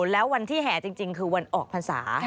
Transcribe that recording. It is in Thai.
แล้ววันที่แห่จริงคือวันออกพรรษา